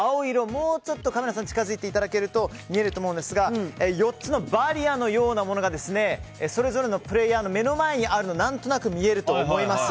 もうちょっとカメラさん近づいていただけると見えると思うんですが４つのバリアのようなものがそれぞれのプレーヤーの目の前にあるのが何となく見えると思います。